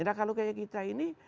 nah kalau kayak kita ini